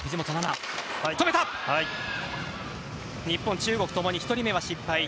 日本、中国ともに１人目は失敗。